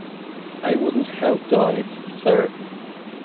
I wouldn't have done it, sir.